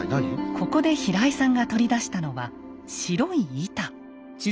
ここで平井さんが取り出したのは白い板。